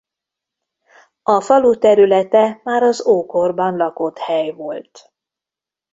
A falu területe már az ókorban lakott hely volt.